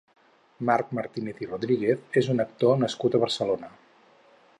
Marc Martínez i Rodríguez és un actor nascut a Barcelona.